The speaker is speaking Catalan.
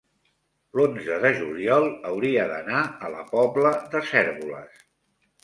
l'onze de juliol hauria d'anar a la Pobla de Cérvoles.